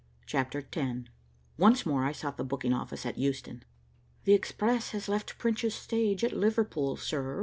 CHAPTER X Once more I sought the booking office at Euston. "The Express has left Prince's Stage at Liverpool, sir.